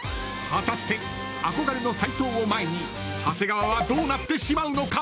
果たして憧れの斉藤を前に長谷川はどうなってしまうのか。